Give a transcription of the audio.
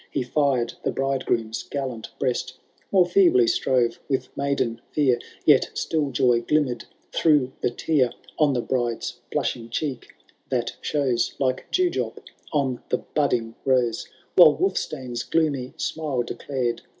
He firad the bridegroom's gallant breast ; More feebly strove with maiden fear, xet still joy glinuner'd through the teaf On the bride's blushing cheek, that shows l^e dewdwp on the budding rose ; The glee that selfish avarice shared.